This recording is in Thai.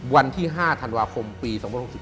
วันที่๕ธันวาคมปี๒๖๔